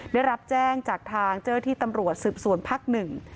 ได้รับแจ้งจากทางเจ้าที่ตำรวจสืบสวนภักดิ์หนึ่ง